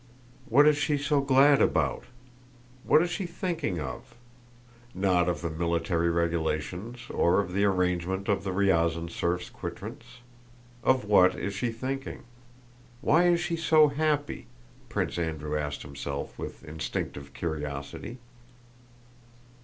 "What is she so glad about? What is she thinking of? Not of the military regulations or of the arrangement of the Ryazán serfs' quitrents. Of what is she thinking? Why is she so happy?" Prince Andrew asked himself with instinctive curiosity.